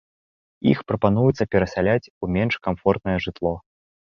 Іх прапануецца перасяляць у менш камфортнае жытло.